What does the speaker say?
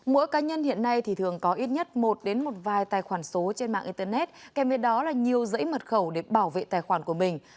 mỗi cá nhân hiện nay thì thường có ít nhất một đến một vài tài khoản số trên mạng internet kèm với đó là nhiều dãy mật khẩu để bảo vệ tài khoản của mình